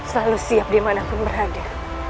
selalu siap dimanapun berada